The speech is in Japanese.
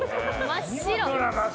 真っ白。